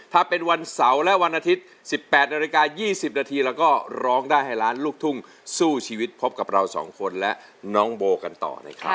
ถ้าเป็นวันเสาร์และวันอาทิตย์๑๘นาฬิกา๒๐นาทีเราก็ร้องได้ให้ล้านลูกทุ่งสู้ชีวิตพบกับเราสองคนและน้องโบกันต่อนะครับ